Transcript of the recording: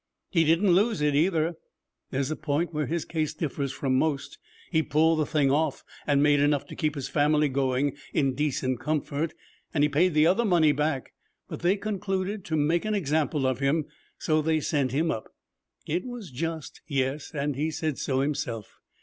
He didn't lose it, either! There's a point where his case differs from most. He pulled the thing off and made enough to keep his family going in decent comfort, and he paid the other money back; but they concluded to make an example of him, so they sent him up. It was just, yes, and he said so himself.